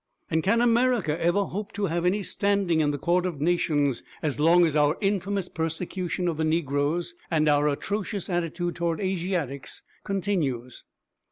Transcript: And can America ever hope to have any standing in the court of nations as long as our infamous persecution of the negroes and our atrocious attitude towards Asiatics continues?